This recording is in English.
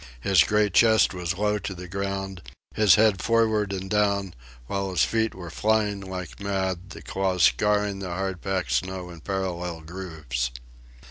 His great chest was low to the ground, his head forward and down, while his feet were flying like mad, the claws scarring the hard packed snow in parallel grooves.